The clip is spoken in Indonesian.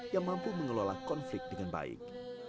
yang mampu mengelola konflik dengan baik